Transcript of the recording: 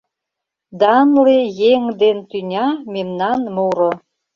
Данле еҥ ден тӱня — мемнан муро.